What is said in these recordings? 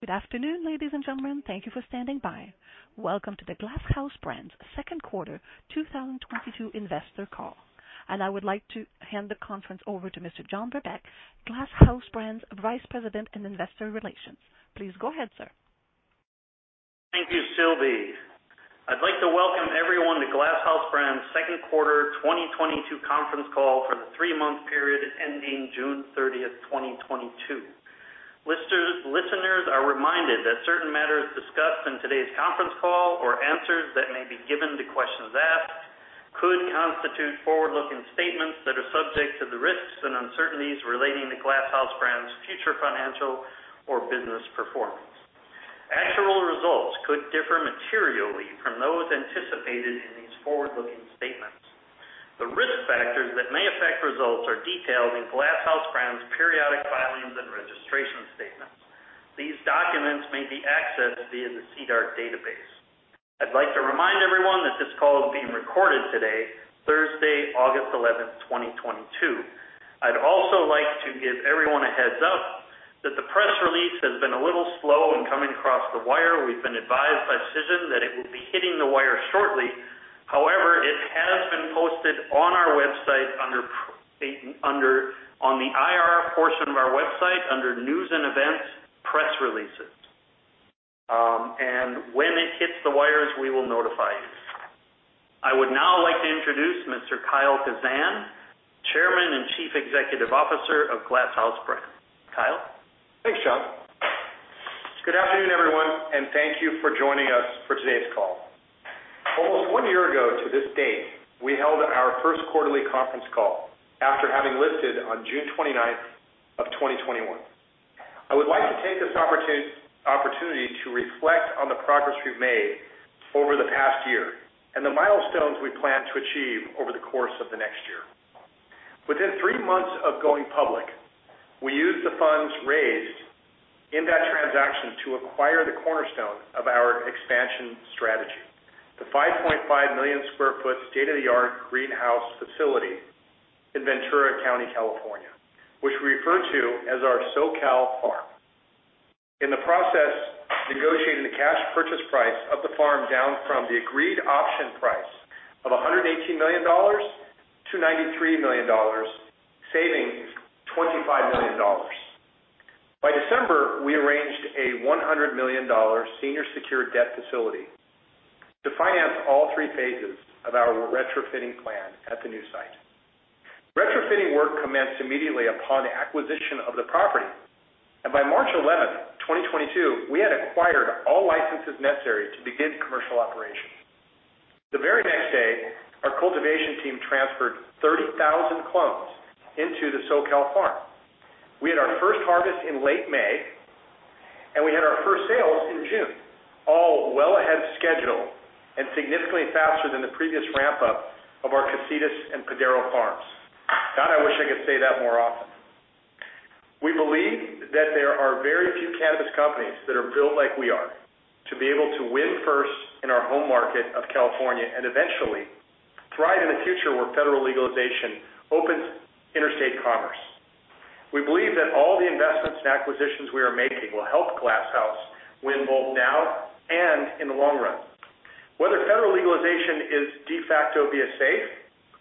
Good afternoon, ladies and gentlemen. Thank you for standing by. Welcome to the Glass House Brands Second Quarter 2022 investor call. I would like to hand the conference over to Mr. John Brebeck, Glass House Brands Vice President of Investor Relations. Please go ahead, sir. Thank you, Sylvie. I'd like to welcome everyone to Glass House Brands second quarter 2022 conference call for the three-month period ending June 30th, 2022. Listeners are reminded that certain matters discussed in today's conference call or answers that may be given to questions asked could constitute forward-looking statements that are subject to the risks and uncertainties relating to Glass House Brands' future financial or business performance. Actual results could differ materially from those anticipated in these forward-looking statements. The risk factors that may affect results are detailed in Glass House Brands periodic filings and registration statements. These documents may be accessed via the SEDAR database. I'd like to remind everyone that this call is being recorded today, Thursday, August 11th, 2022. I'd also like to give everyone a heads up that the press release has been a little slow in coming across the wire. We've been advised by Cision that it will be hitting the wire shortly. However, it has been posted on our website, on the IR portion of our website under News and Events, Press Releases. When it hits the wires, we will notify you. I would now like to introduce Mr. Kyle Kazan, Chairman and Chief Executive Officer of Glass House Brands. Kyle. Thanks, John. Good afternoon, everyone, and thank you for joining us for today's call. Almost one year ago to this date, we held our first quarterly conference call after having listed on June 29th of 2021. I would like to take this opportunity to reflect on the progress we've made over the past year and the milestones we plan to achieve over the course of the next year. Within three months of going public, we used the funds raised in that transaction to acquire the cornerstone of our expansion strategy, the 5.5 million sq ft state-of-the-art greenhouse facility in Ventura County, California, which we refer to as our SoCal farm. In the process, negotiating the cash purchase price of the farm down from the agreed option price of $118 million to $93 million, saving $25 million. By December, we arranged a $100 million senior secured debt facility to finance all three phases of our retrofitting plan at the new site. Retrofitting work commenced immediately upon acquisition of the property, and by March 11th, 2022, we had acquired all licenses necessary to begin commercial operations. The very next day, our cultivation team transferred 30,000 clones into the SoCal farm. We had our first harvest in late May, and we had our first sales in June, all well ahead of schedule and significantly faster than the previous ramp-up of our Casitas and Padaro farms. God, I wish I could say that more often. We believe that there are very few cannabis companies that are built like we are to be able to win first in our home market of California and eventually thrive in a future where federal legalization opens interstate commerce. We believe that all the investments and acquisitions we are making will help Glass House win both now and in the long run. Whether federal legalization is de facto via SAFER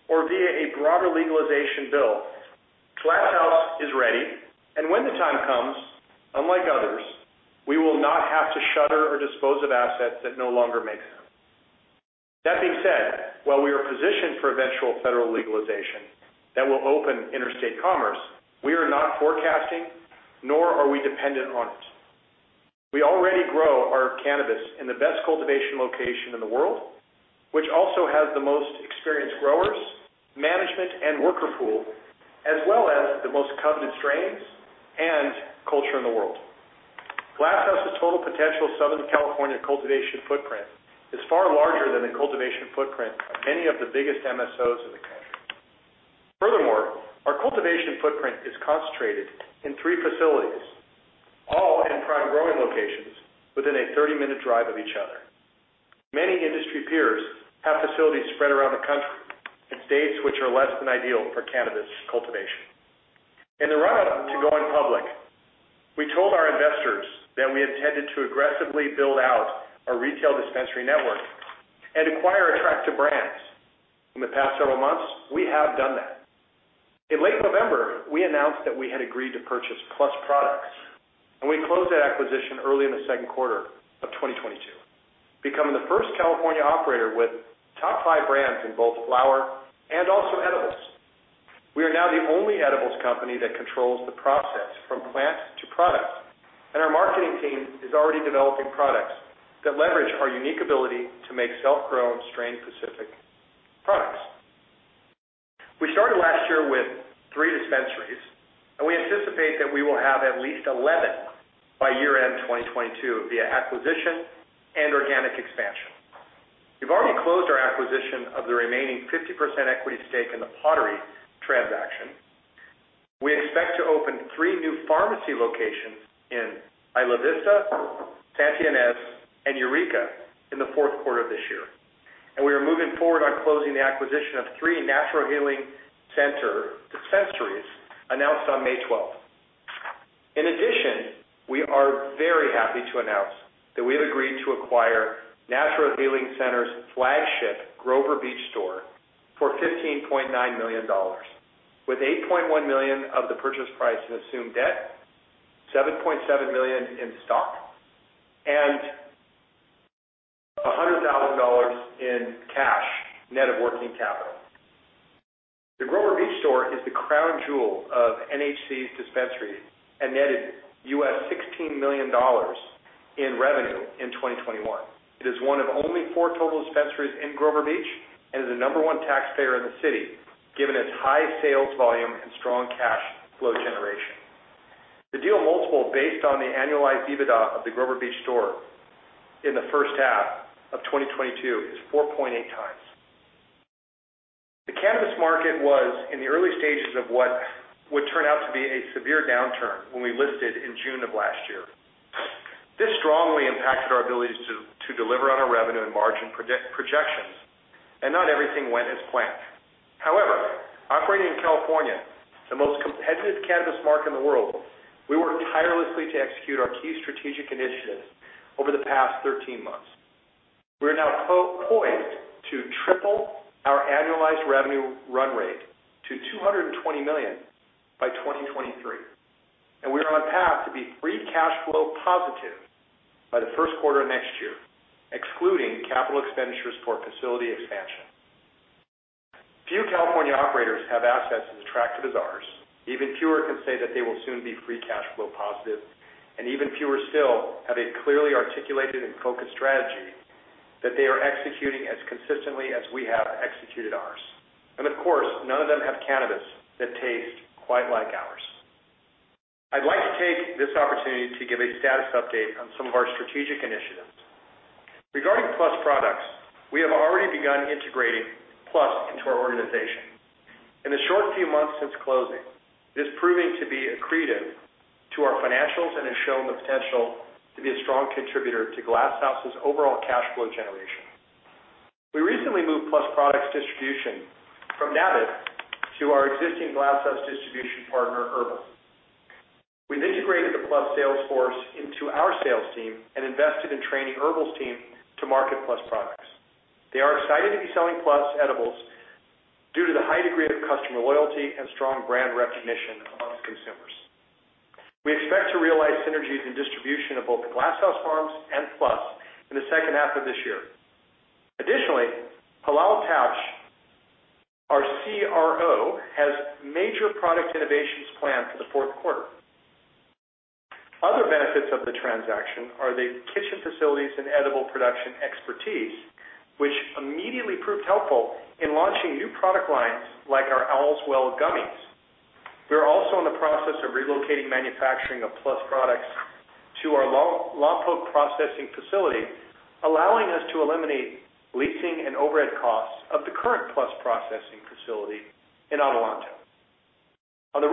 or via a broader legalization bill, Glass House is ready, and when the time comes, unlike others, we will not have to shutter or dispose of assets that no longer make sense. That being said, while we are positioned for eventual federal legalization that will open interstate commerce, we are not forecasting, nor are we dependent on it. We already grow our cannabis in the best cultivation location in the world, which also has the most experienced growers, management, and worker pool, as well as the most coveted strains and culture in the world. Glass House's total potential Southern California cultivation footprint is far larger than the cultivation footprint of many of the biggest MSOs in the country. Furthermore, our cultivation footprint is concentrated in three facilities, all in prime growing locations within a 30-minute drive of each other. Many industry peers have facilities spread around the country in states which are less than ideal for cannabis cultivation. In the run-up to going public, we told our investors that we intended to aggressively build out our retail dispensary network and acquire attractive brands. In the past several months, we have done that. In late November, we announced that we had agreed to purchase PLUS Products, and we closed that acquisition early in the second quarter of 2022, becoming the first California operator with top five brands in both flower and also edibles. We are now the only edibles company that controls the process from plant to product, and our marketing team is already developing products that leverage our unique ability to make self-grown, strain-specific products. We started last year with three dispensaries, and we anticipate that we will have at least 11 by year-end 2022 via acquisition and organic expansion. We've already closed our acquisition of the remaining 50% equity stake in The Pottery transaction. We expect to open three new Farmacy locations in Isla Vista, Santa Ynez, and Eureka in the fourth quarter of this year. We are moving forward on closing the acquisition of three Natural Healing Center dispensaries announced on May 12th. In addition, we are very happy to announce that we have agreed to acquire Natural Healing Center's flagship Grover Beach store for $15.9 million, with $8.1 million of the purchase price in assumed debt, $7.7 million in stock, and $100,000 in cash, net of working capital. The Grover Beach store is the crown jewel of NHC's dispensaries and netted $16 million in revenue in 2021. It is one of only four total dispensaries in Grover Beach and is the number one taxpayer in the city, given its high sales volume and strong cash flow generation. The deal multiple based on the annualized EBITDA of the Grover Beach store in the first half of 2022 is 4.8x. The cannabis market was in the early stages of what would turn out to be a severe downturn when we listed in June of last year. This strongly impacted our ability to deliver on our revenue and margin projections, and not everything went as planned. However, operating in California, the most competitive cannabis market in the world, we worked tirelessly to execute our key strategic initiatives over the past 13 months. We are now poised to triple our annualized revenue run rate to $220 million by 2023, and we are on path to be free cash flow positive by the first quarter of next year, excluding capital expenditures for facility expansion. Few California operators have assets as attractive as ours. Even fewer can say that they will soon be free cash flow positive, and even fewer still have a clearly articulated and focused strategy that they are executing as consistently as we have executed ours. Of course, none of them have cannabis that tastes quite like ours. I'd like to take this opportunity to give a status update on some of our strategic initiatives. Regarding PLUS Products, we have already begun integrating PLUS into our organization. In the short few months since closing, it is proving to be accretive to our financials and has shown the potential to be a strong contributor to Glass House's overall cash flow generation. We recently moved PLUS Products distribution from Nabis to our existing Glass House distribution partner, Herbl. We've integrated the PLUS sales force into our sales team and invested in training Herbl's team to market PLUS products. They are excited to be selling PLUS edibles due to the high degree of customer loyalty and strong brand recognition among consumers. We expect to realize synergies in distribution of both Glass House Farms and PLUS in the second half of this year. Additionally, Hilal Tabsh, our CRO, has major product innovations planned for the fourth quarter. Other benefits of the transaction are the kitchen facilities and edible production expertise, which immediately proved helpful in launching new product lines like our Allswell gummies. We are also in the process of relocating manufacturing of PLUS products to our Lompoc processing facility, allowing us to eliminate leasing and overhead costs of the current PLUS processing facility in Adelanto. On the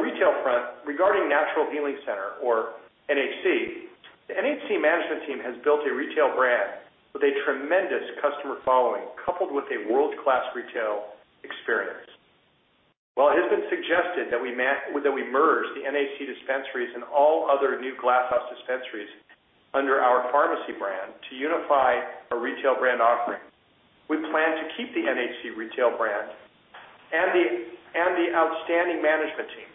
retail front, regarding Natural Healing Center, or NHC, the NHC management team has built a retail brand with a tremendous customer following, coupled with a world-class retail experience. While it has been suggested that we merge the NHC dispensaries and all other new Glass House dispensaries under our Farmacy brand to unify our retail brand offering, we plan to keep the NHC retail brand and the outstanding management team.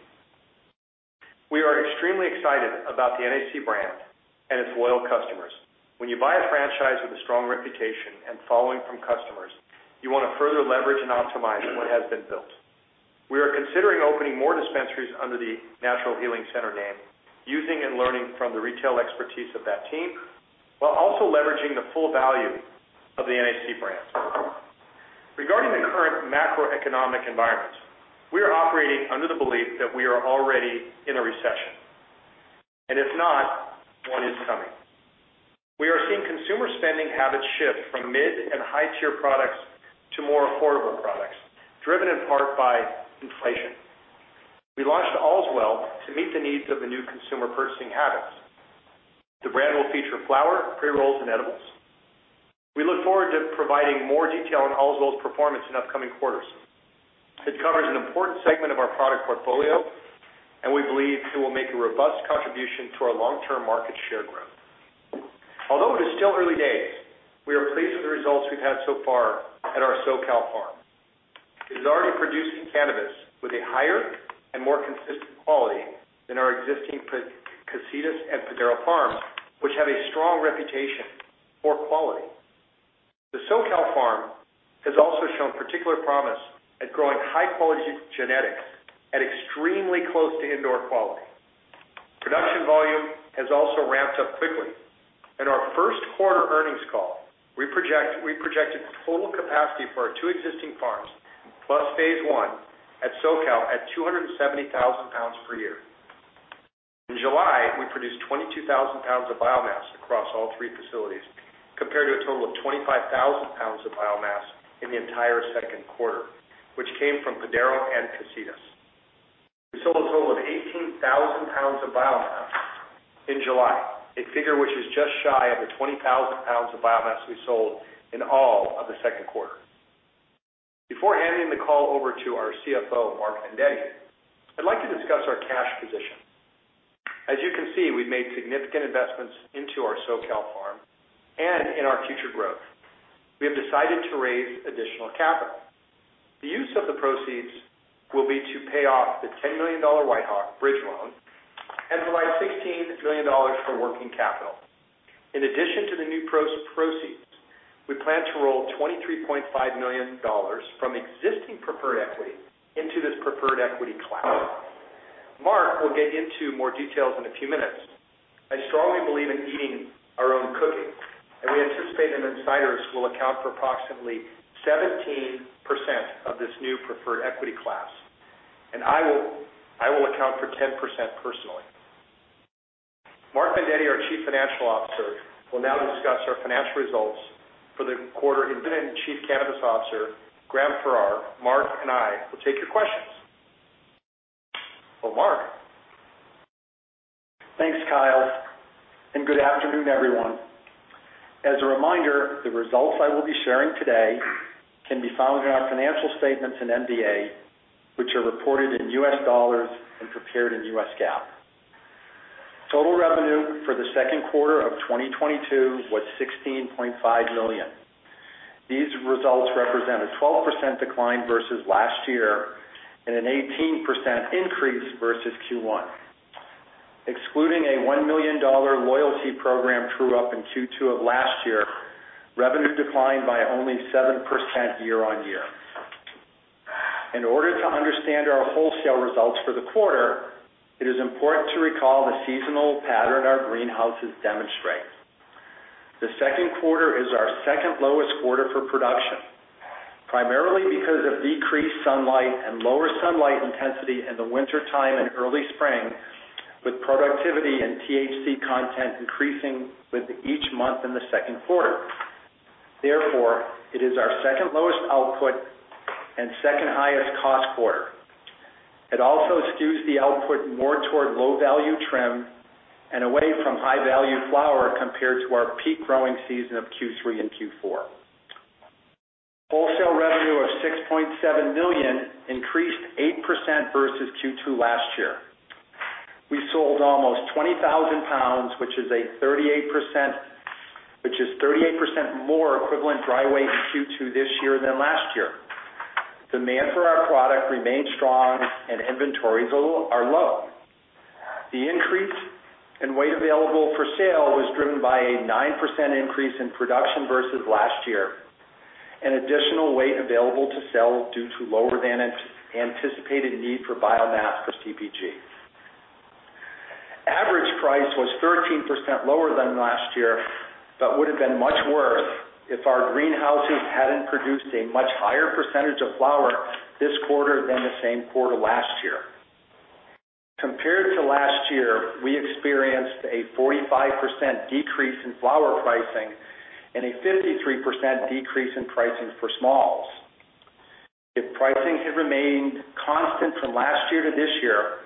We are extremely excited about the NHC brand and its loyal customers. When you buy a franchise with a strong reputation and following from customers, you want to further leverage and optimize what has been built. We are considering opening more dispensaries under the Natural Healing Center name, using and learning from the retail expertise of that team, while also leveraging the full value of the NHC brand. Regarding the current macroeconomic environment, we are operating under the belief that we are already in a recession. If not, one is coming. We are seeing consumer spending habits shift from mid- and high-tier products to more affordable products, driven in part by inflation. We launched Allswell to meet the needs of the new consumer purchasing habits. The brand will feature flower, pre-rolls, and edibles. We look forward to providing more detail on Allswell's performance in upcoming quarters. It covers an important segment of our product portfolio, and we believe it will make a robust contribution to our long-term market share growth. Although it is still early days, we are pleased with the results we've had so far at our SoCal farm. It is already producing cannabis with a higher and more consistent quality than our existing Casitas and Padaro farms, which have a strong reputation for quality. The SoCal farm has also shown particular promise at growing high-quality genetics at extremely close to indoor quality. Production volume has also ramped up quickly. In our first quarter earnings call, we projected total capacity for our two existing farms, plus phase one at SoCal, at 270,000 pounds per year. In July, we produced 22,000 pounds of biomass across all three facilities, compared to a total of 25,000 pounds of biomass in the entire second quarter, which came from Padaro and Casitas. We sold a total of 18,000 pounds of biomass in July, a figure which is just shy of the 20,000 pounds of biomass we sold in all of the second quarter. Before handing the call over to our CFO, Mark Vendetti, I'd like to discuss our cash position. As you can see, we've made significant investments into our SoCal farm and in our future growth. We have decided to raise additional capital. The use of the proceeds will be to pay off the $10 million WhiteHawk bridge loan and provide $16 million for working capital. In addition to the new gross proceeds, we plan to roll $23.5 million from existing preferred equity into this preferred equity class. Mark will get into more details in a few minutes. I strongly believe in eating our own cooking, and we anticipate that insiders will account for approximately 17% of this new preferred equity class. I will account for 10% personally. Mark Vendetti, our Chief Financial Officer, will now discuss our financial results for the quarter. Then Chief Cannabis Officer, Graham Farrar, Mark, and I will take your questions. Mark. Thanks, Kyle, and good afternoon, everyone. As a reminder, the results I will be sharing today can be found in our financial statements in MD&A, which are reported in U.S. dollars and prepared in U.S. GAAP. Total revenue for the second quarter of 2022 was $16.5 million. These results represent a 12% decline versus last year and an 18% increase versus Q1. Excluding a $1 million loyalty program true-up in Q2 of last year, revenue declined by only 7% year-on-year. In order to understand our wholesale results for the quarter, it is important to recall the seasonal pattern our greenhouses demonstrate. The second quarter is our second lowest quarter for production, primarily because of decreased sunlight and lower sunlight intensity in the wintertime and early spring, with productivity and THC content increasing with each month in the second quarter. Therefore, it is our second lowest output and second-highest cost quarter. It also skews the output more toward low-value trim and away from high-value flower compared to our peak growing season of Q3 and Q4. Wholesale revenue of $6.7 million increased 8% versus Q2 last year. We sold almost 20,000 pounds, which is 38% more equivalent dry weight in Q2 this year than last year. Demand for our product remains strong and inventories are low. The increase in weight available for sale was driven by a 9% increase in production versus last year, and additional weight available to sell due to lower than anticipated need for biomass for CPG. Average price was 13% lower than last year, but would have been much worse if our greenhouses hadn't produced a much higher percentage of flower this quarter than the same quarter last year. Compared to last year, we experienced a 45% decrease in flower pricing and a 53% decrease in pricing for smalls. If pricing had remained constant from last year to this year,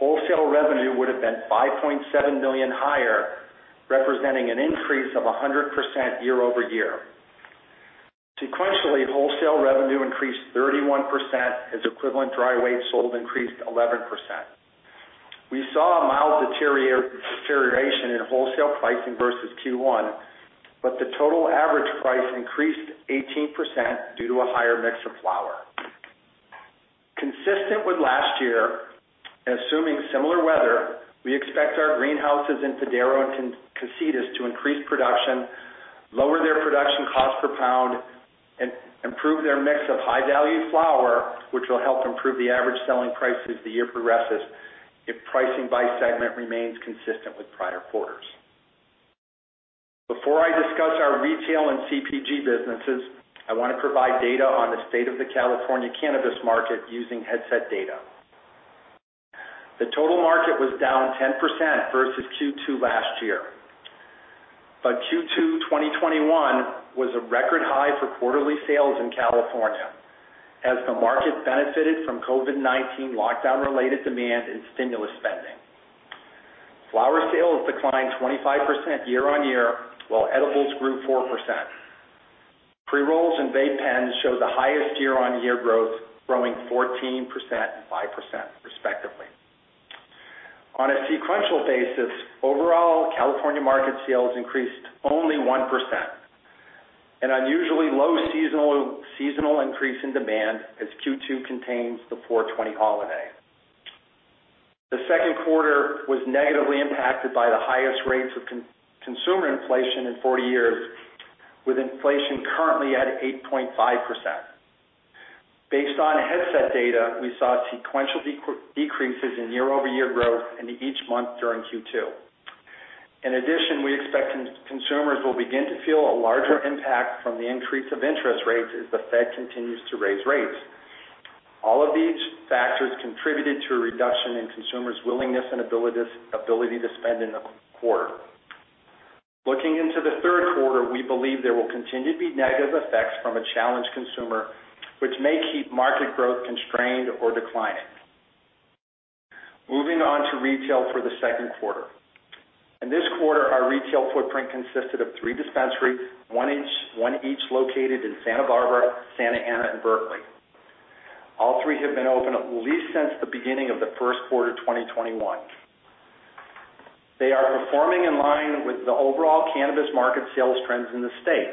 wholesale revenue would have been $5.7 million higher, representing an increase of 100% year-over-year. Sequentially, wholesale revenue increased 31% as equivalent dry weight sold increased 11%. We saw a mild deterioration in wholesale pricing versus Q1, but the total average price increased 18% due to a higher mix of flower. Consistent with last year, and assuming similar weather, we expect our greenhouses in Padaro and Casitas to increase production, lower their production cost per pound, and improve their mix of high-value flower, which will help improve the average selling price as the year progresses if pricing by segment remains consistent with prior quarters. Before I discuss our retail and CPG businesses, I want to provide data on the state of the California cannabis market using Headset data. The total market was down 10% versus Q2 last year. Q2 2021 was a record high for quarterly sales in California as the market benefited from COVID-19 lockdown related demand and stimulus spending. Flower sales declined 25% year-on-year, while edibles grew 4%. Pre-rolls and vape pens show the highest year-on-year growth, growing 14% and 5%, respectively. On a sequential basis, overall, California market sales increased only 1%, an unusually low seasonal increase in demand as Q2 contains the 4/20 holiday. The second quarter was negatively impacted by the highest rates of consumer inflation in 40 years, with inflation currently at 8.5%. Based on Headset data, we saw sequential decreases in year-over-year growth into each month during Q2. In addition, we expect consumers will begin to feel a larger impact from the increase of interest rates as the Fed continues to raise rates. All of these factors contributed to a reduction in consumers' willingness and ability to spend in the quarter. Into the third quarter, we believe there will continue to be negative effects from a challenged consumer, which may keep market growth constrained or declining. Moving on to retail for the second quarter. In this quarter, our retail footprint consisted of three dispensaries, one each located in Santa Barbara, Santa Ana, and Berkeley. All three have been open at least since the beginning of the first quarter, 2021. They are performing in line with the overall cannabis market sales trends in the state.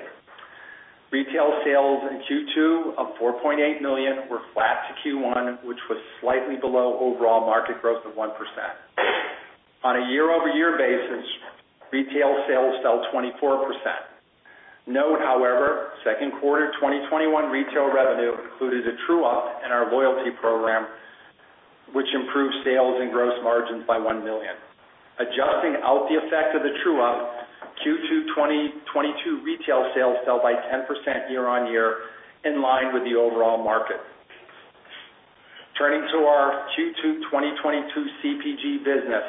Retail sales in Q2 of $4.8 million were flat to Q1, which was slightly below overall market growth of 1%. On a year-over-year basis, retail sales fell 24%. Note, however, second quarter 2021 retail revenue included a true-up in our loyalty program, which improved sales and gross margins by $1 million. Adjusting out the effect of the true-up, Q2 2022 retail sales fell by 10% year-on-year, in line with the overall market. Turning to our Q2 2022 CPG business.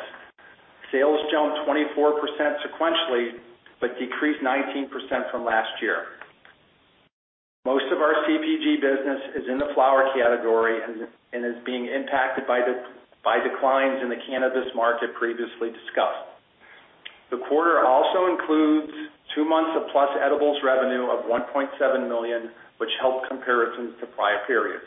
Sales jumped 24% sequentially, but decreased 19% from last year. Most of our CPG business is in the flower category and is being impacted by declines in the cannabis market previously discussed. The quarter also includes two months of PLUS edibles revenue of $1.7 million, which helped comparisons to prior periods.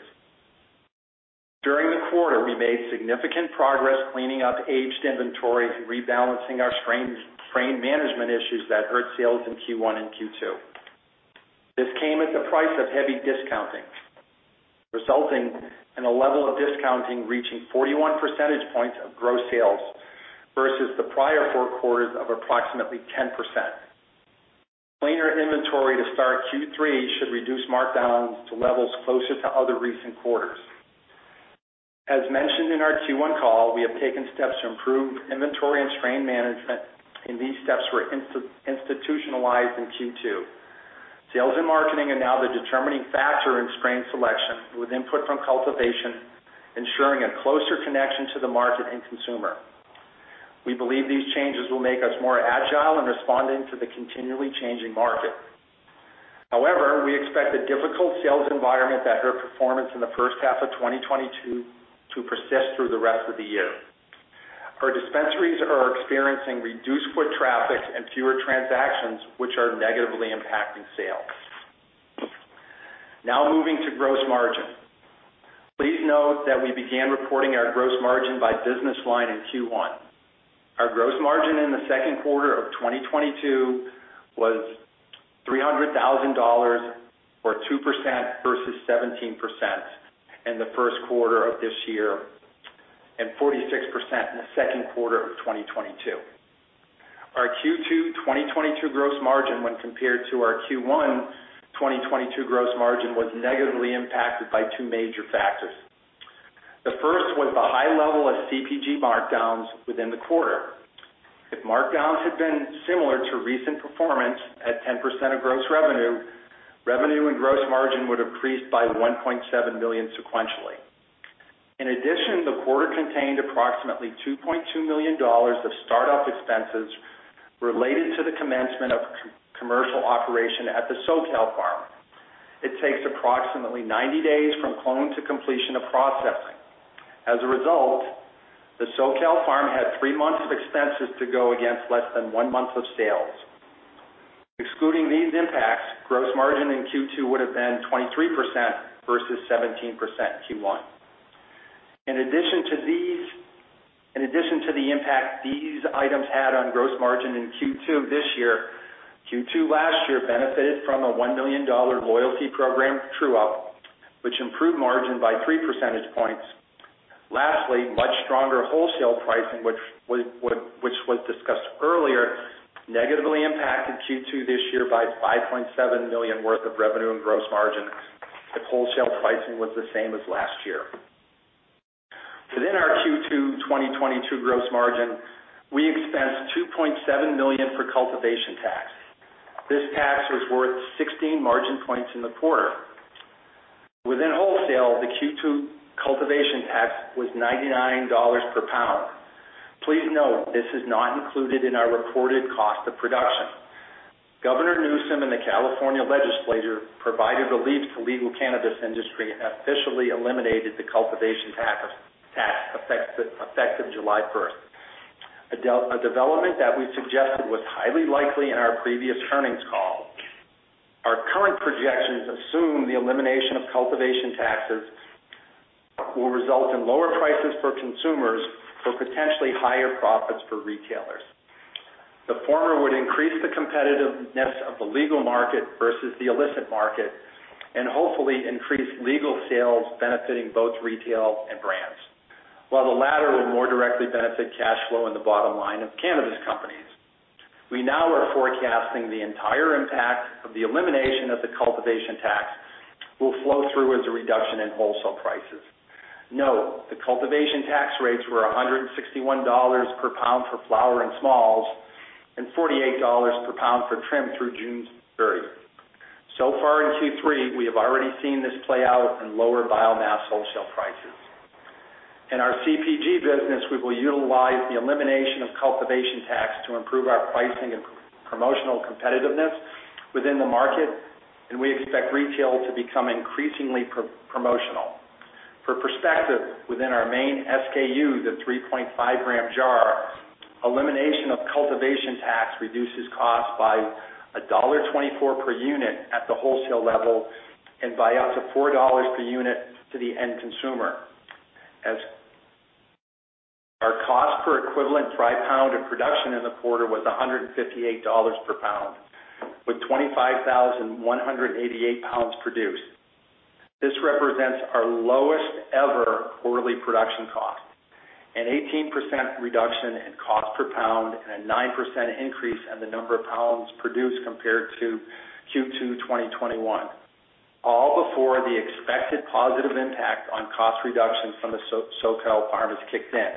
During the quarter, we made significant progress cleaning up aged inventories and rebalancing our strain management issues that hurt sales in Q1 and Q2. This came at the price of heavy discounting, resulting in a level of discounting reaching 41 percentage points of gross sales versus the prior four quarters of approximately 10%. Cleaner inventory to start Q3 should reduce markdowns to levels closer to other recent quarters. As mentioned in our Q1 call, we have taken steps to improve inventory and strain management, and these steps were institutionalized in Q2. Sales and marketing are now the determining factor in strain selection with input from cultivation, ensuring a closer connection to the market and consumer. We believe these changes will make us more agile in responding to the continually changing market. However, we expect the difficult sales environment that hurt performance in the first half of 2022 to persist through the rest of the year. Our dispensaries are experiencing reduced foot traffic and fewer transactions, which are negatively impacting sales. Now moving to gross margin. Please note that we began reporting our gross margin by business line in Q1. Our gross margin in the second quarter of 2022 was $300,000, or 2% versus 17% in the first quarter of this year, and 46% in the second quarter of 2022. Our Q2 2022 gross margin when compared to our Q1 2022 gross margin was negatively impacted by two major factors. The first was the high level of CPG markdowns within the quarter. If markdowns had been similar to recent performance at 10% of gross revenue and gross margin would have increased by $1.7 million sequentially. In addition, the quarter contained approximately $2.2 million of start-up expenses related to the commencement of commercial operation at the SoCal Farm. It takes approximately 90 days from clone to completion of processing. As a result, the SoCal Farm had three months of expenses to go against less than one month of sales. Excluding these impacts, gross margin in Q2 would have been 23% versus 17% Q1. In addition to the impact these items had on gross margin in Q2 this year, Q2 last year benefited from a $1 million loyalty program true-up, which improved margin by 3 percentage points. Lastly, much stronger wholesale pricing, which was discussed earlier, negatively impacted Q2 this year by $5.7 million worth of revenue and gross margin if wholesale pricing was the same as last year. Within our Q2 2022 gross margin, we expensed $2.7 million for cultivation tax. This tax was worth 16 margin points in the quarter. Within wholesale, the Q2 cultivation tax was $99 per pound. Please note this is not included in our reported cost of production. Governor Newsom and the California Legislature provided relief to legal cannabis industry and officially eliminated the cultivation tax effect, effective July first, a development that we suggested was highly likely in our previous earnings call. Our current projections assume the elimination of cultivation taxes will result in lower prices for consumers, for potentially higher profits for retailers. The former would increase the competitiveness of the legal market versus the illicit market and hopefully increase legal sales benefiting both retail and brands, while the latter will more directly benefit cash flow in the bottom line of cannabis companies. We now are forecasting the entire impact of the elimination of the cultivation tax will flow through as a reduction in wholesale prices. Note, the cultivation tax rates were $161 per pound for flower and smalls, and $48 per pound for trim through June 3rd. Far in Q3, we have already seen this play out in lower biomass wholesale prices. In our CPG business, we will utilize the elimination of cultivation tax to improve our pricing and promotional competitiveness within the market, and we expect retail to become increasingly promotional. For perspective, within our main SKU, the 3.5-gram jar, elimination of cultivation tax reduces cost by $1.24 per unit at the wholesale level and by up to $4 per unit to the end consumer. As our cost per equivalent dry pound of production in the quarter was $158 per pound, with 25,188 pounds produced. This represents our lowest ever quarterly production cost, an 18% reduction in cost per pound and a 9% increase in the number of pounds produced compared to Q2 2021. All before the expected positive impact on cost reductions from the SoCal farm is kicked in,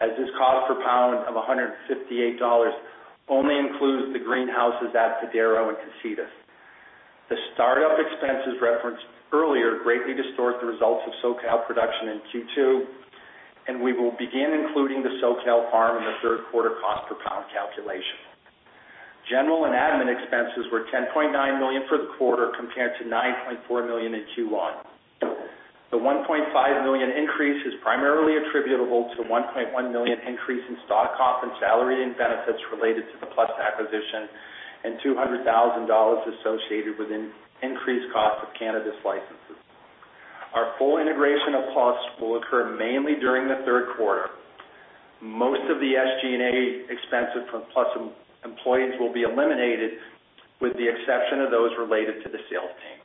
as this cost per pound of $158 only includes the greenhouses at Padaro and Casitas. The start-up expenses referenced earlier greatly distort the results of SoCal production in Q2, and we will begin including the SoCal farm in the third quarter cost per pound calculation. General and admin expenses were $10.9 million for the quarter, compared to $9.4 million in Q1. The $1.5 million increase is primarily attributable to the $1.1 million increase in stock comp and salary and benefits related to the Plus acquisition and $200,000 associated with an increased cost of cannabis licenses. Our full integration of costs will occur mainly during the third quarter. Most of the SG&A expenses from Plus employees will be eliminated, with the exception of those related to the sales team.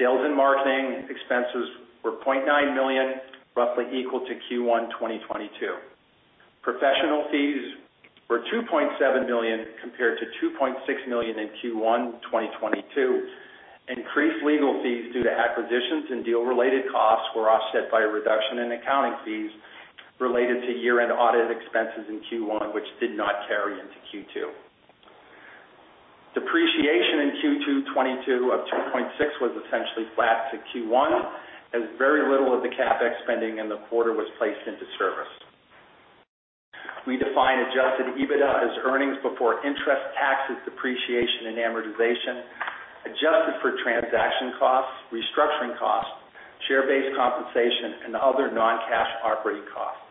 Sales and marketing expenses were $0.9 million, roughly equal to Q1 2022. Professional fees were $2.7 million, compared to $2.6 million in Q1 2022. Increased legal fees due to acquisitions and deal-related costs were offset by a reduction in accounting fees related to year-end audit expenses in Q1, which did not carry into Q2. Depreciation in Q2 2022 of $2.6 million was essentially flat to Q1, as very little of the CapEx spending in the quarter was placed into service. We define Adjusted EBITDA as earnings before interest, taxes, depreciation, and amortization, adjusted for transaction costs, restructuring costs, share-based compensation, and other non-cash operating costs.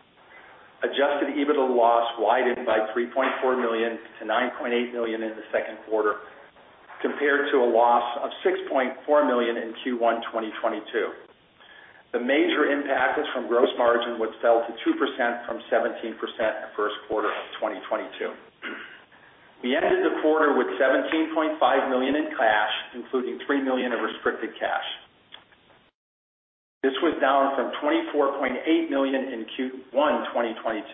Adjusted EBITDA loss widened by $3.4 million to $9.8 million in the second quarter compared to a loss of $6.4 million in Q1 2022. The major impact is from gross margin, which fell to 2% from 17% in the first quarter of 2022. We ended the quarter with $17.5 million in cash, including $3 million of restricted cash. This was down from $24.8 million in Q1 2022.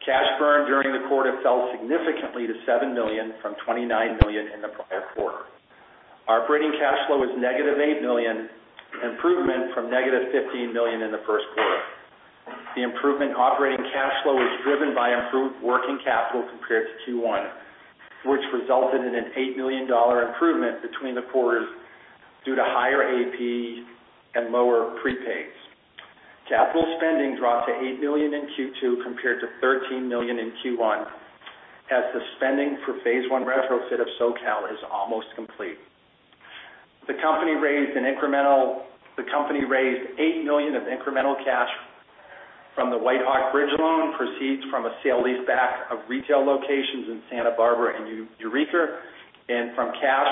Cash burn during the quarter fell significantly to $7 million from $29 million in the prior quarter. Operating cash flow was negative $8 million, improvement from negative $15 million in the first quarter. The improvement in operating cash flow was driven by improved working capital compared to Q1, which resulted in an $8 million improvement between the quarters due to higher AP and lower prepaids. Capital spending dropped to $8 million in Q2 compared to $13 million in Q1, as the spending for phase one retrofit of SoCal is almost complete. The company raised $8 million of incremental cash from the WhiteHawk bridge loan, proceeds from a sale leaseback of retail locations in Santa Barbara and Eureka, and from cash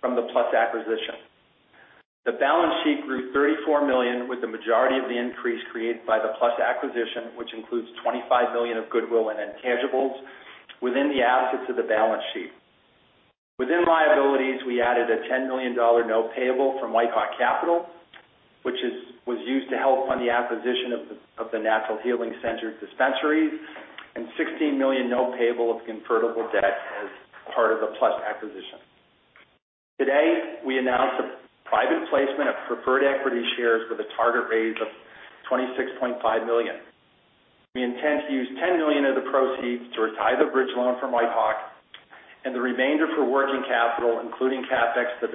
from the Plus acquisition. The balance sheet grew $34 million, with the majority of the increase created by the PLUS acquisition, which includes $25 million of goodwill and intangibles within the assets of the balance sheet. Within liabilities, we added a $10 million note payable from WhiteHawk Capital, which was used to help fund the acquisition of the Natural Healing Center dispensaries and $16 million note payable of convertible debt as part of the Plus acquisition. Today, we announced a private placement of preferred equity shares with a target raise of $26.5 million. We intend to use $10 million of the proceeds to retire the bridge loan from WhiteHawk and the remainder for working capital, including CapEx to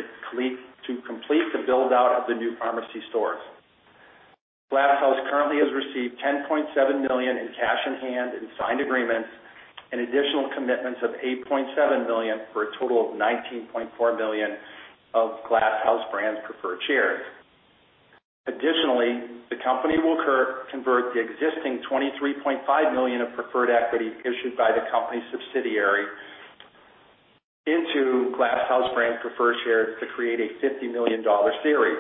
complete the build-out of the new pharmacy stores. Glass House Brands currently has received $10.7 million in cash in hand and signed agreements, and additional commitments of $8.7 million, for a total of $19.4 million of Glass House Brands preferred shares. Additionally, the company will convert the existing $23.5 million of preferred equity issued by the company's subsidiary into Glass House Brands preferred shares to create a $50 million series.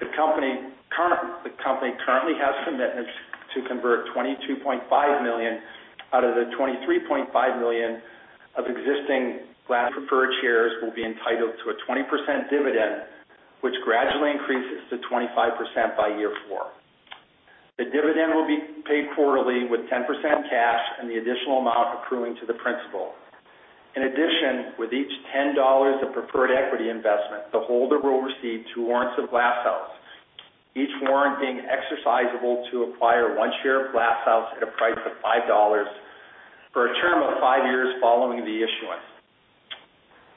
The company currently has commitments to convert $22.5 million out of the $23.5 million of existing Glass House preferred shares, which will be entitled to a 20% dividend, which gradually increases to 25% by year four. The dividend will be paid quarterly with 10% cash and the additional amount accruing to the principal. In addition, with each $10 of preferred equity investment, the holder will receive two warrants of Glass House Brands, each warrant being exercisable to acquire one share of Glass House Brands at a price of $5 for a term of five years following the issuance.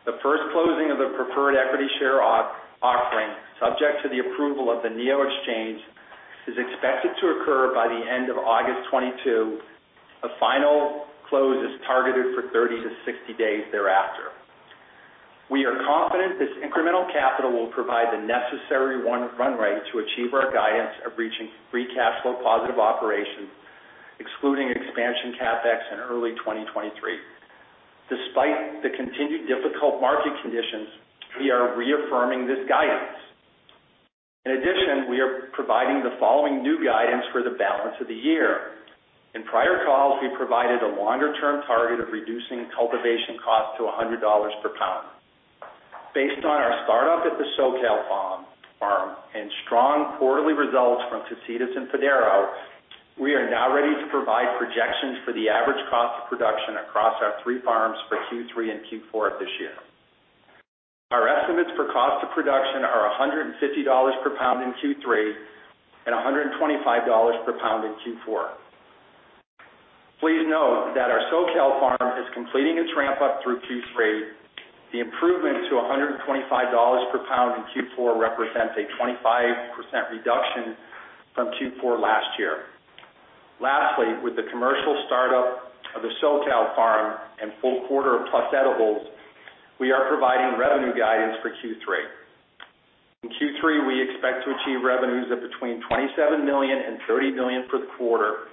The first closing of the preferred equity share offering, subject to the approval of the NEO Exchange, is expected to occur by the end of August 2022. A final close is targeted for 30-60 days thereafter. We are confident this incremental capital will provide the necessary run rate to achieve our guidance of reaching free cash flow positive operations, excluding expansion CapEx in early 2023. Despite the continued difficult market conditions, we are reaffirming this guidance. In addition, we are providing the following new guidance for the balance of the year. In prior calls, we provided a longer-term target of reducing cultivation costs to $100 per pound. Based on our startup at the SoCal farm and strong quarterly results from Casitas and Padaro, we are now ready to provide projections for the average cost of production across our three farms for Q3 and Q4 of this year. Our estimates for cost of production are $150 per pound in Q3 and $125 per pound in Q4. Please note that our SoCal farm is completing its ramp-up through Q3. The improvement to $125 per pound in Q4 represents a 25% reduction from Q4 last year. Lastly, with the commercial startup of the SoCal farm and full quarter of PLUS edibles, we are providing revenue guidance for Q3. In Q3, we expect to achieve revenues of between $27 million and $30 million for the quarter,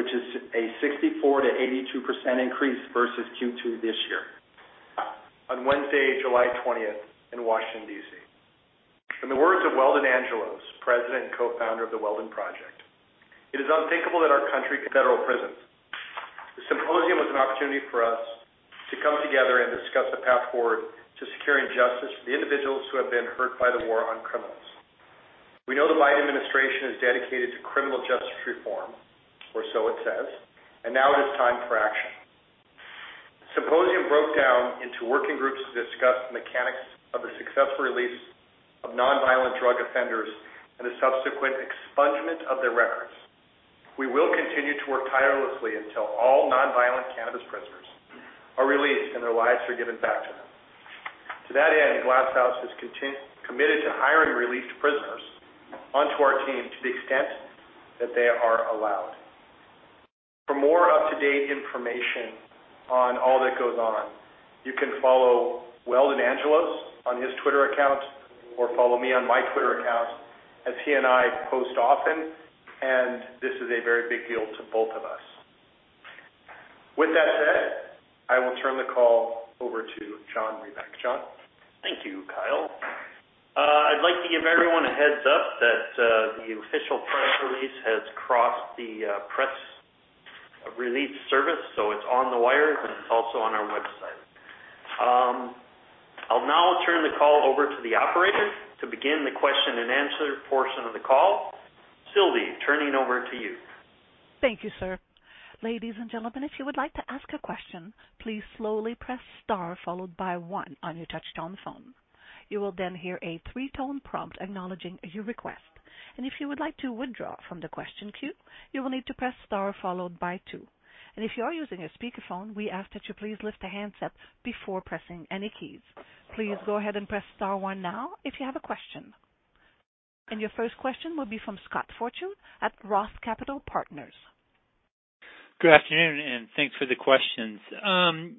which is a 64%-82% increase versus Q2 this year. On Wednesday, July 20th, in Washington, D.C. In the words of Weldon Angelos, president and co-founder of the Weldon Project, "It is unthinkable that our country could federal prisons. The symposium was an opportunity for us to come together and discuss the path forward to securing justice for the individuals who have been hurt by the war on drugs. We know the Biden administration is dedicated to criminal justice reform, or so it says, and now it is time for action. Symposium broke down into working groups to discuss the mechanics of the successful release of nonviolent drug offenders and the subsequent expungement of their records. We will continue to work tirelessly until all nonviolent cannabis prisoners are released and their lives are given back to them. To that end, Glass House is committed to hiring released prisoners onto our team to the extent that they are allowed. For more up-to-date information on all that goes on, you can follow Weldon Angelos on his Twitter account or follow me on my Twitter account as he and I post often, and this is a very big deal to both of us. With that said, I will turn the call over to John Brebeck. John. Thank you, Kyle. I'd like to give everyone a heads-up that the official press release has crossed the press release service, so it's on the wires, and it's also on our website. I'll now turn the call over to the operator to begin the question-and-answer portion of the call. Sylvie, turning it over to you. Thank you, sir. Ladies and gentlemen, if you would like to ask a question, please slowly press star followed by one on your touchtone phone. You will then hear a three-tone prompt acknowledging your request. If you would like to withdraw from the question queue, you will need to press star followed by two. If you are using a speakerphone, we ask that you please lift the handset before pressing any keys. Please go ahead and press star one now if you have a question. Your first question will be from Scott Fortune at ROTH Capital Partners. Good afternoon, and thanks for the questions.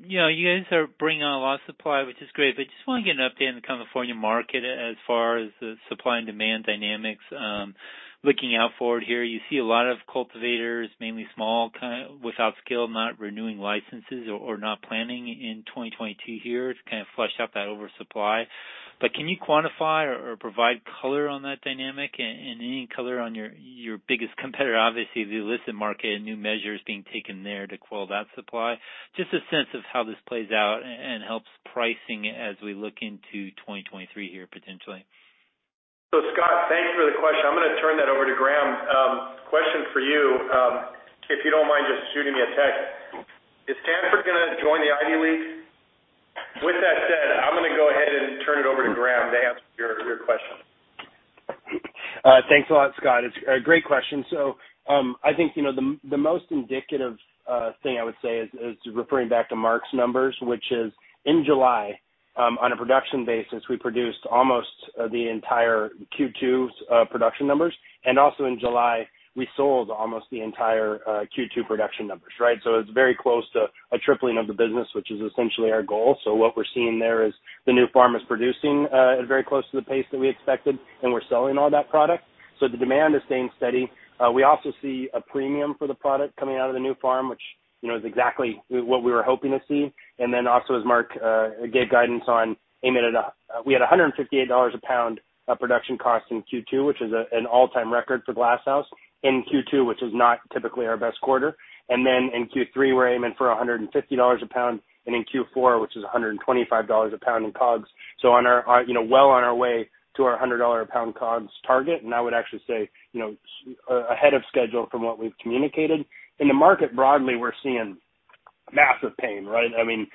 You know, you guys are bringing a lot of supply, which is great, but just want to get an update on the California market as far as the supply and demand dynamics. Looking forward here, you see a lot of cultivators, mainly small without skill, not renewing licenses or not planning in 2022 here to kind of flush out that oversupply. But can you quantify or provide color on that dynamic and any color on your biggest competitor, obviously the illicit market and new measures being taken there to quell that supply? Just a sense of how this plays out and helps pricing as we look into 2023 here potentially. Scott, thanks for the question. I'm gonna turn that over to Graham. Question for you, if you don't mind just shooting me a text. Is Stanford gonna join the Ivy League? With that said, I'm gonna go ahead and turn it over to Graham to answer your question. Thanks a lot, Scott. It's a great question. I think, you know, the most indicative thing I would say is referring back to Mark's numbers, which is in July, on a production basis, we produced almost the entire Q2's production numbers. Also in July, we sold almost the entire Q2 production numbers, right? It's very close to a tripling of the business, which is essentially our goal. What we're seeing there is the new farm is producing at very close to the pace that we expected, and we're selling all that product. The demand is staying steady. We also see a premium for the product coming out of the new farm, which, you know, is exactly what we were hoping to see. As Mark gave guidance on aiming it up. We had $158 a pound of production cost in Q2, which is an all-time record for Glass House Brands in Q2, which is not typically our best quarter. In Q3, we're aiming for $150 a pound, and in Q4, which is $125 a pound in COGS. On our way to our $100 a pound COGS target. I would actually say ahead of schedule from what we've communicated. In the market broadly, we're seeing massive pain, right? I mean,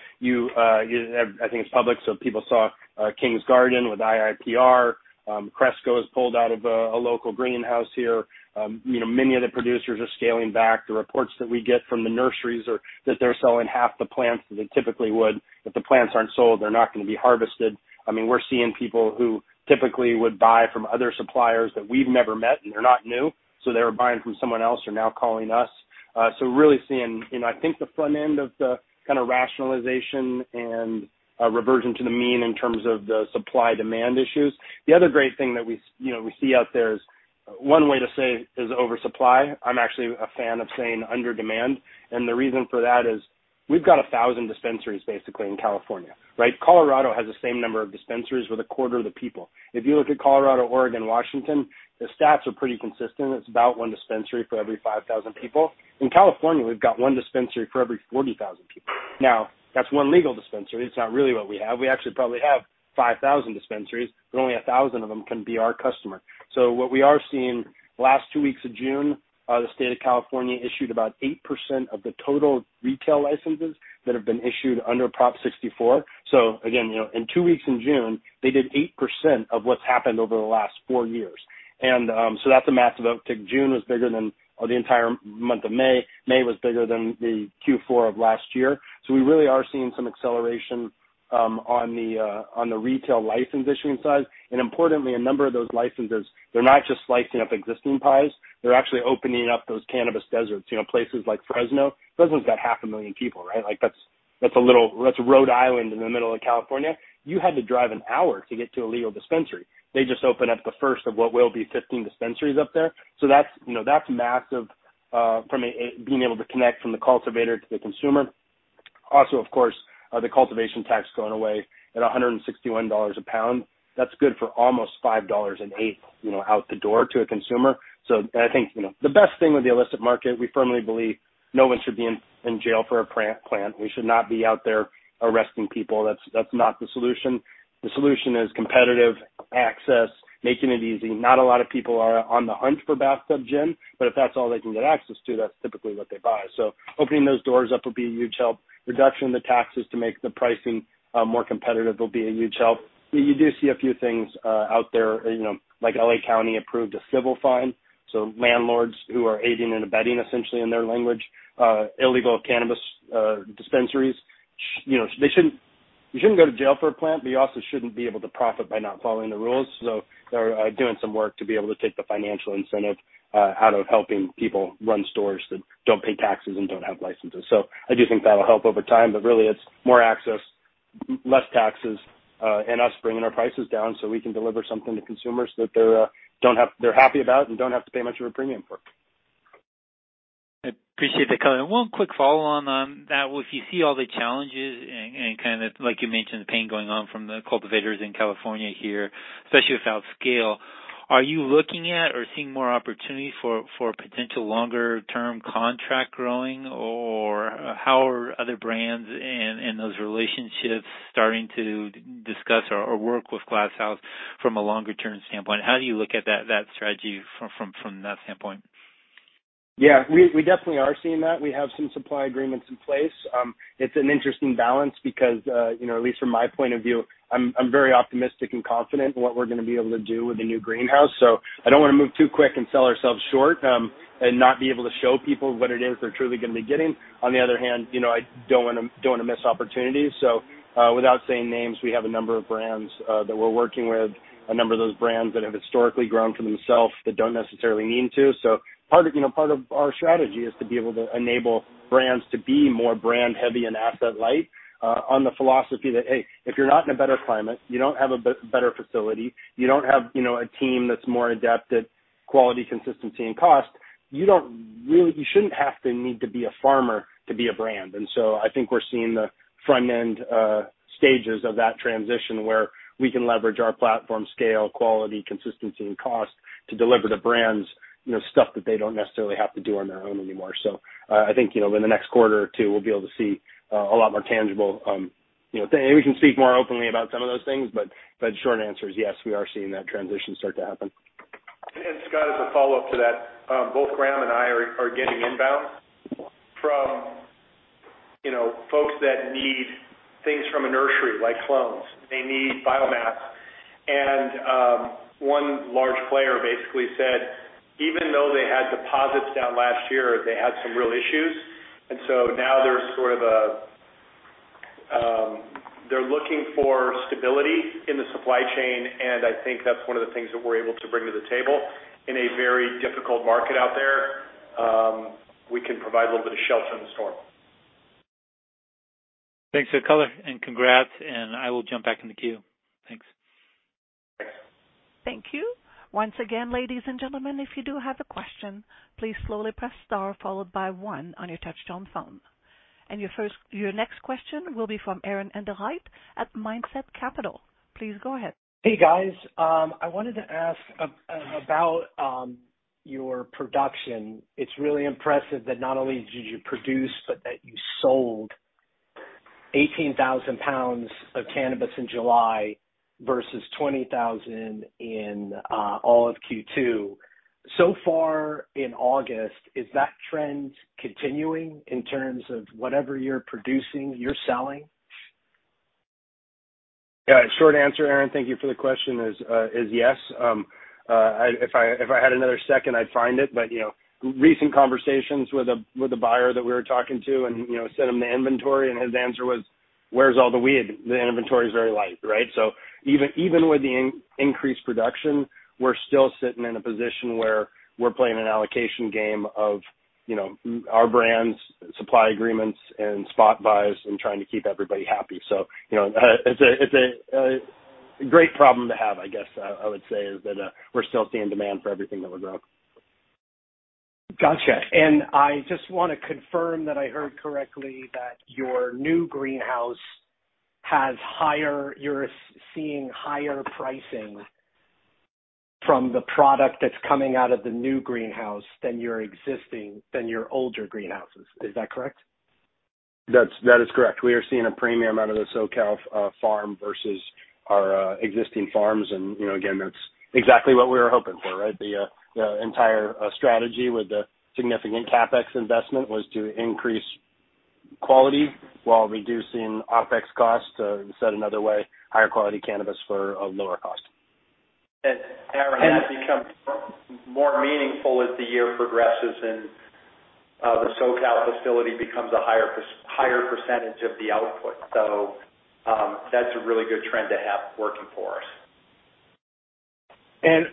I think it's public, so people saw Kings Garden with IIPR. Cresco Labs has pulled out of a local greenhouse here. You know, many of the producers are scaling back. The reports that we get from the nurseries are that they're selling half the plants that they typically would. If the plants aren't sold, they're not gonna be harvested. I mean, we're seeing people who typically would buy from other suppliers that we've never met, and they're not new, so they were buying from someone else and are now calling us. So we're really seeing, you know, I think the front end of the kinda rationalization and reversion to the mean in terms of the supply-demand issues. The other great thing that we you know, we see out there is one way to say is oversupply. I'm actually a fan of saying under demand, and the reason for that is we've got 1,000 dispensaries basically in California, right? Colorado has the same number of dispensaries with a quarter of the people. If you look at Colorado, Oregon, Washington, the stats are pretty consistent. It's about one dispensary for every 5,000 people. In California, we've got one dispensary for every 40,000 people. Now, that's one legal dispensary. It's not really what we have. We actually probably have 5,000 dispensaries, but only 1,000 of them can be our customer. So what we are seeing, last two weeks of June, the state of California issued about 8% of the total retail licenses that have been issued under Prop 64. So again, you know, in two weeks in June, they did 8% of what's happened over the last four years. So that's a massive uptick. June was bigger than the entire month of May. May was bigger than the Q4 of last year. We really are seeing some acceleration on the retail license issuing side. Importantly, a number of those licenses, they're not just slicing up existing pies, they're actually opening up those cannabis deserts, you know, places like Fresno. Fresno's got 500,000 people, right? Like, that's a little. That's Rhode Island in the middle of California. You had to drive an hour to get to a legal dispensary. They just opened up the first of what will be 15 dispensaries up there. That's, you know, that's massive from being able to connect from the cultivator to the consumer. Also, of course, the cultivation tax going away at $161 a pound. That's good for almost $5 an eighth, you know, out the door to a consumer. I think, you know, the best thing with the illicit market, we firmly believe no one should be in jail for a plant. We should not be out there arresting people. That's not the solution. The solution is competitive access, making it easy. Not a lot of people are on the hunt for bathtub gin, but if that's all they can get access to, that's typically what they buy. Opening those doors up will be a huge help. Reduction in the taxes to make the pricing more competitive will be a huge help. You do see a few things out there, you know, like LA County approved a civil fine, so landlords who are aiding and abetting, essentially in their language, illegal cannabis dispensaries. You shouldn't go to jail for a plant, but you also shouldn't be able to profit by not following the rules. They're doing some work to be able to take the financial incentive out of helping people run stores that don't pay taxes and don't have licenses. I do think that'll help over time, but really it's more access, less taxes, and us bringing our prices down so we can deliver something to consumers that they're happy about and don't have to pay much of a premium for. I appreciate that, Kyle. One quick follow-on on that. If you see all the challenges and kind of like you mentioned, the pain going on from the cultivators in California here, especially without scale, are you looking at or seeing more opportunity for potential longer term contract growing? Or how are other brands and those relationships starting to discuss or work with Glass House from a longer term standpoint? How do you look at that strategy from that standpoint? Yeah, we definitely are seeing that. We have some supply agreements in place. It's an interesting balance because, you know, at least from my point of view, I'm very optimistic and confident in what we're gonna be able to do with the new greenhouse. I don't wanna move too quick and sell ourselves short, and not be able to show people what it is they're truly gonna be getting. On the other hand, you know, I don't wanna miss opportunities. Without saying names, we have a number of brands that we're working with, a number of those brands that have historically grown for themselves that don't necessarily need to. Part of our strategy is to be able to enable brands to be more brand heavy and asset light on the philosophy that, hey, if you're not in a better climate, you don't have a better facility, you don't have, you know, a team that's more adept at quality, consistency, and cost. You shouldn't have to need to be a farmer to be a brand. I think we're seeing the front end stages of that transition where we can leverage our platform, scale, quality, consistency, and cost to deliver the brands, you know, stuff that they don't necessarily have to do on their own anymore. I think, you know, in the next quarter or two, we'll be able to see a lot more tangible. Maybe we can speak more openly about some of those things, but short answer is yes, we are seeing that transition start to happen. Scott, as a follow-up to that, both Graham and I are getting inbound from, you know, folks that need things from a nursery, like clones. They need biomass. One large player basically said, even though they had deposits down last year, they had some real issues. So now they're sort of, they're looking for stability in the supply chain, and I think that's one of the things that we're able to bring to the table. In a very difficult market out there, we can provide a little bit of shelter in the storm. Thanks, Kyle, and congrats, and I will jump back in the queue. Thanks. Thank you. Once again, ladies and gentlemen, if you do have a question, please slowly press star followed by one on your touchtone phone. Your next question will be from Aaron Grey at Alliance Global Partners. Please go ahead. Hey, guys. I wanted to ask about your production. It's really impressive that not only did you produce, but that you sold 18,000 pounds of cannabis in July versus 20,000 in all of Q2. So far in August, is that trend continuing in terms of whatever you're producing, you're selling? Yeah. Short answer, Aaron, thank you for the question is yes. If I had another second, I'd find it. You know, recent conversations with a buyer that we were talking to and you know, sent him the inventory, and his answer was, "Where's all the weed? The inventory is very light," right? Even with the increased production, we're still sitting in a position where we're playing an allocation game of you know, our brands, supply agreements and spot buys and trying to keep everybody happy. You know, it's a great problem to have, I guess. I would say is that we're still seeing demand for everything that we're growing. Gotcha. I just wanna confirm that I heard correctly that your new greenhouse has higher. You're seeing higher pricing from the product that's coming out of the new greenhouse than your existing, than your older greenhouses. Is that correct? That is correct. We are seeing a premium out of the SoCal farm versus our existing farms. You know, again, that's exactly what we were hoping for, right? The entire strategy with the significant CapEx investment was to increase quality while reducing OpEx costs. Said another way, higher quality cannabis for a lower cost. And- Aaron, that becomes more meaningful as the year progresses and the SoCal facility becomes a higher percentage of the output. That's a really good trend to have working for us.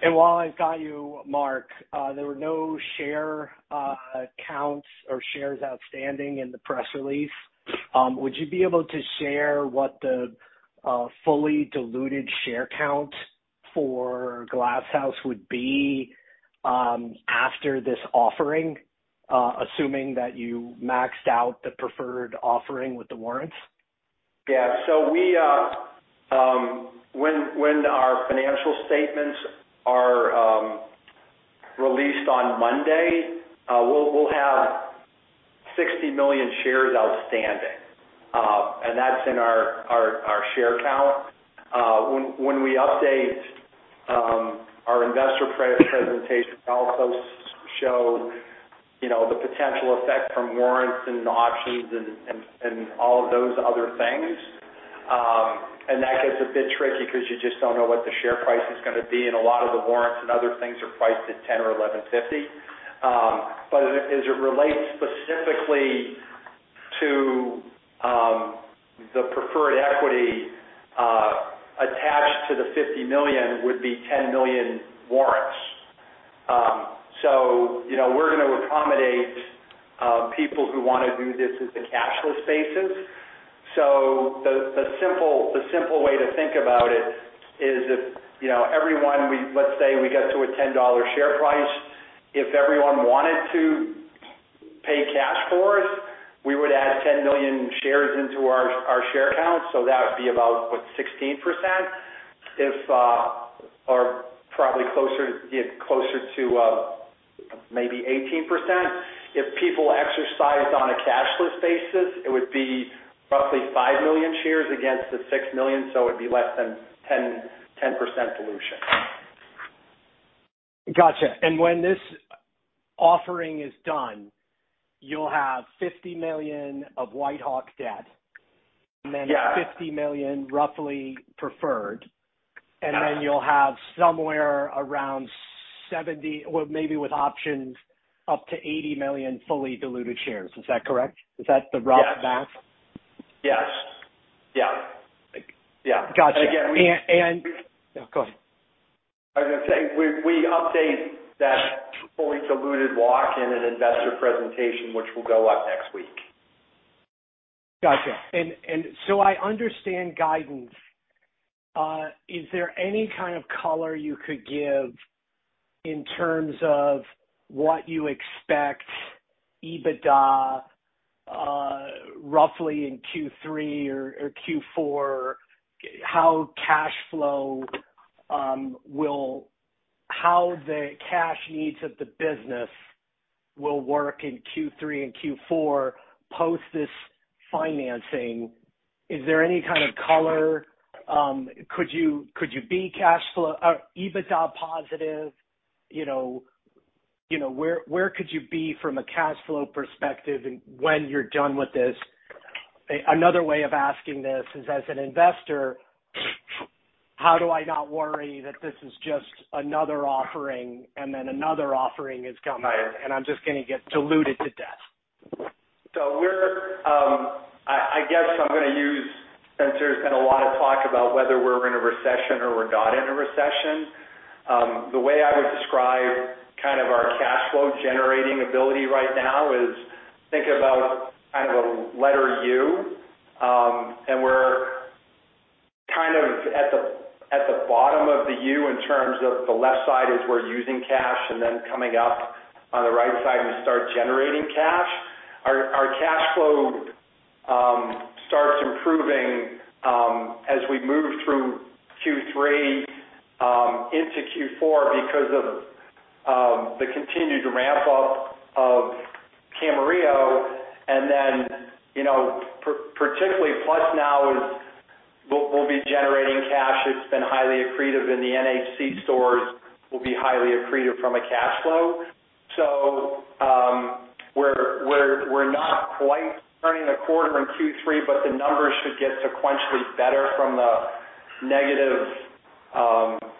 While I've got you, Mark, there were no share counts or shares outstanding in the press release. Would you be able to share what the fully diluted share count for Glass House would be, after this offering, assuming that you maxed out the preferred offering with the warrants? Yeah. When our financial statements are released on Monday, we'll have 60 million shares outstanding. That's in our share count. When we update our investor presentation, we also show, you know, the potential effect from warrants and options and all of those other things. That gets a bit tricky because you just don't know what the share price is gonna be. A lot of the warrants and other things are priced at $10 or $11.50. As it relates specifically to the preferred equity attached to the $50 million, would be 10 million warrants. You know, we're gonna accommodate people who wanna do this as a cashless basis. The simple way to think about it is if everyone let's say we get to a $10 share price. If everyone wanted to pay cash for it, we would add 10 million shares into our share count. That would be about 16%. Or probably closer to maybe 18%. If people exercise on a cashless basis, it would be roughly 5 million shares against the 6 million, it'd be less than 10% dilution. Gotcha. When this offering is done, you'll have $50 million of WhiteHawk debt. Yeah. $50 million roughly preferred. Yeah. You'll have somewhere around 70 or maybe with options, up to 80 million fully diluted shares. Is that correct? Is that the rough math? Yes. Yeah. Yeah. Gotcha. And again, we- Yeah, go ahead. I was gonna say, we update that fully diluted walk in an investor presentation, which will go up next week. Gotcha. I understand guidance. Is there any kind of color you could give in terms of what you expect EBITDA roughly in Q3 or Q4? How the cash needs of the business will work in Q3 and Q4 post this financing? Is there any kind of color? Could you be cash flow or EBITDA positive? You know, where could you be from a cash flow perspective and when you're done with this? Another way of asking this is, as an investor, how do I not worry that this is just another offering and then another offering is coming? Right I'm just gonna get diluted to death? Spencer, there's been a lot of talk about whether we're in a recession or we're not in a recession. The way I would describe kind of our cash flow generating ability right now is, think about kind of a letter U, and we're kind of at the bottom of the U in terms of the left side is we're using cash, and then coming up on the right side, we start generating cash. Our cash flow starts improving as we move through Q3 into Q4 because of the continued ramp up of Camarillo. You know, particularly Plus now will be generating cash. It's been highly accretive in the NHC stores, will be highly accretive from a cash flow. We're not quite turning the corner in Q3, but the numbers should get sequentially better from the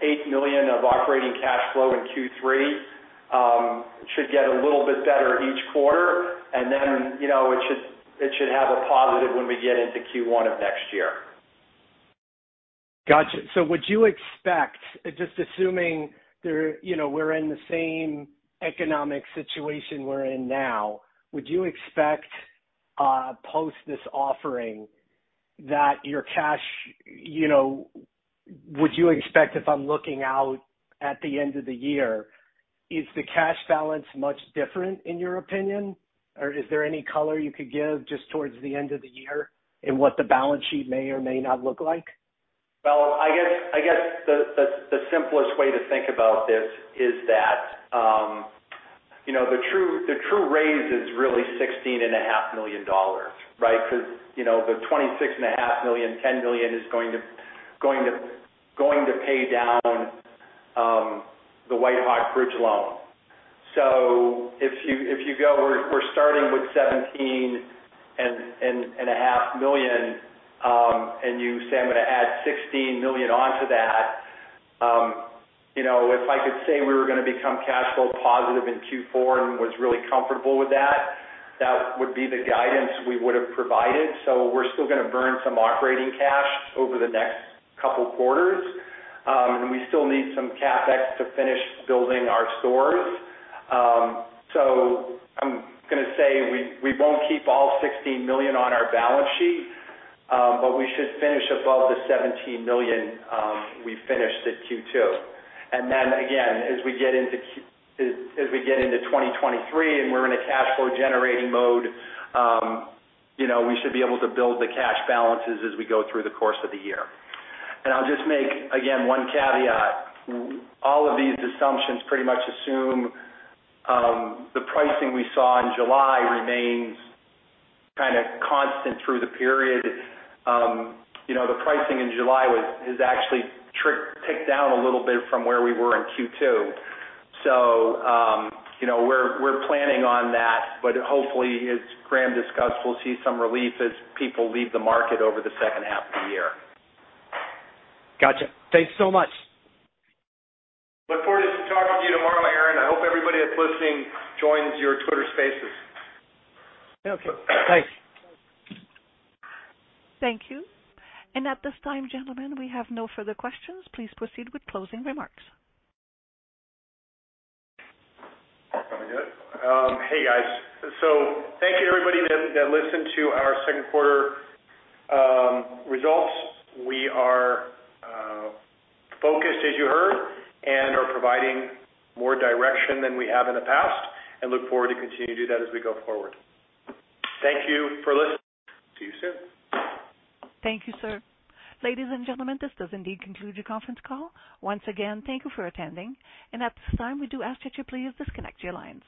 $8 million of operating cash flow in Q3. Should get a little bit better each quarter. You know, it should have a positive when we get into Q1 of next year. Gotcha. Just assuming there, you know, we're in the same economic situation we're in now, would you expect if I'm looking out at the end of the year, is the cash balance much different in your opinion? Or is there any color you could give just towards the end of the year in what the balance sheet may or may not look like? Well, I guess the simplest way to think about this is that, you know, the true raise is really $16.5 million, right? Because, you know, the $26.5 million, $10 million is going to pay down the WhiteHawk bridge loan. If you go, we're starting with $17.5 million, and you say I'm gonna add $16 million onto that, you know, if I could say we were gonna become cash flow positive in Q4 and was really comfortable with that would be the guidance we would have provided. We're still gonna burn some operating cash over the next couple quarters. We still need some CapEx to finish building our stores. I'm gonna say we won't keep all $16 million on our balance sheet, but we should finish above the $17 million we finished at Q2. Then again, as we get into 2023, and we're in a cash flow generating mode, you know, we should be able to build the cash balances as we go through the course of the year. I'll just make again one caveat. All of these assumptions pretty much assume the pricing we saw in July remains kinda constant through the period. You know, the pricing in July is actually ticked down a little bit from where we were in Q2. You know, we're planning on that, but hopefully as Graham discussed, we'll see some relief as people leave the market over the second half of the year. Gotcha. Thanks so much. Look forward to talking to you tomorrow, Aaron. I hope everybody that's listening joins your Twitter paces. Okay. Thanks. Thank you. At this time, gentlemen, we have no further questions. Please proceed with closing remarks. Am I good? Hey, guys. Thank you everybody that listened to our second quarter results. We are focused, as you heard, and are providing more direction than we have in the past, and look forward to continue to do that as we go forward. Thank you for listening. See you soon. Thank you, sir. Ladies and gentlemen, this does indeed conclude your conference call. Once again, thank you for attending. At this time, we do ask that you please disconnect your lines.